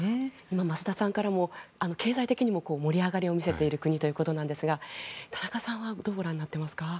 増田さんからも経済的にも盛り上がりを見せている国ということですが田中さんはどうご覧になっていますか？